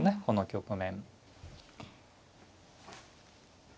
この局面。